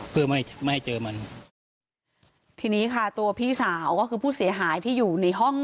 เพื่อไม่ไม่ให้เจอมันทีนี้ค่ะตัวพี่สาวก็คือผู้เสียหายที่อยู่ในห้อง